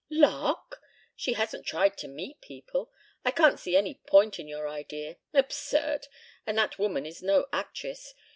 "Lark? She hasn't tried to meet people. I can't see any point in your idea. Absurd. And that woman is no actress.